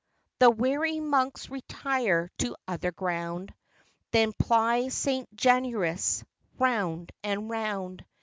The wary monks retire to other ground, Then ply St. Januarius, round and round.